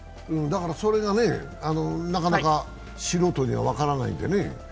それが、なかなか素人には分からないんでね。